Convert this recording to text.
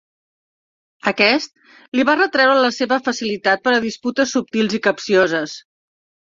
Aquest li va retreure la seva facilitat per a disputes subtils i capcioses.